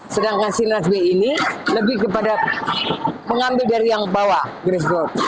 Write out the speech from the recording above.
sedangkan c b ini lebih kepada pengambil dari yang bawah grace board